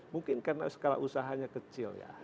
mungkin karena skala usahanya kecil ya